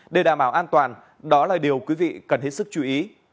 để đảm bảo an toàn đó là điều quý vị cần hết sức chú ý